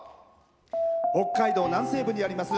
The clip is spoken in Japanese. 北海道南西部にあります